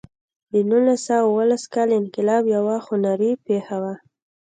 د نولس سوه اوولس کال انقلاب یوه خونړۍ پېښه وه.